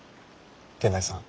源内さん。